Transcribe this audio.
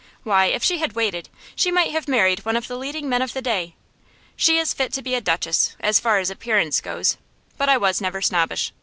Why, if she had waited, she might have married one of the leading men of the day. She is fit to be a duchess, as far as appearance goes; but I was never snobbish.